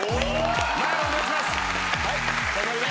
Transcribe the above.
前へお願いします。